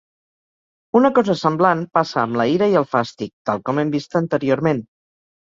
Una cosa semblant passa amb la ira i el fàstic, tal com hem vist anteriorment.